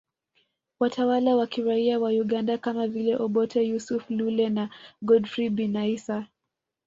Watawala wa kiraia wa Uganda kama vile Obote Yusuf Lule na Godfrey Binaisa